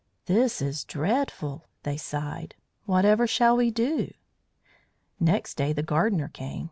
"This is dreadful," they sighed. "Whatever shall we do?" Next day the gardener came.